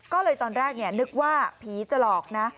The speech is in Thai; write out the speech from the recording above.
ก็เลยตอนแรกนึกว่าผีจะหลอกนะ